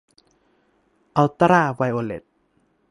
อุลตร้าไวโอเลต